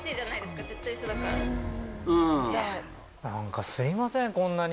何かすいません